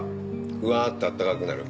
ふわとあったかくなる。